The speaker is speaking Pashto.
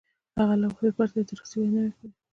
هغه له وقفې پرته اعتراضي ویناوې وکړې.